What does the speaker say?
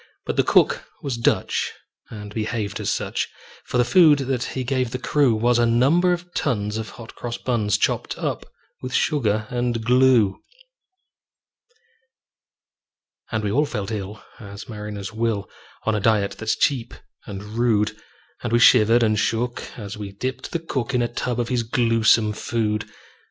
But the cook was Dutch, and behaved as such; For the food that he gave the crew Was a number of tons of hot cross buns, Chopped up with sugar and glue. And we all felt ill as mariners will, On a diet that's cheap and rude; And we shivered and shook as we dipped the cook In a tub of his gluesome food.